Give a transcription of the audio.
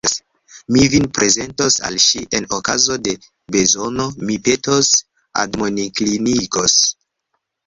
Mi vin prezentos al ŝi, en okazo de bezono mi petos, admoninklinigos.